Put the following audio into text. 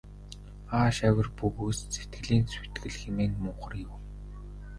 Ааш авир бөгөөс сэтгэлийн сүйтгэл хэмээн мунхар юу.